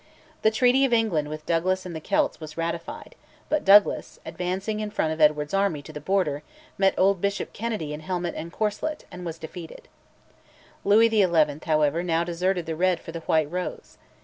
The Treaty of England with Douglas and the Celts was then ratified; but Douglas, advancing in front of Edward's army to the Border, met old Bishop Kennedy in helmet and corslet, and was defeated. Louis XI., however, now deserted the Red for the White Rose.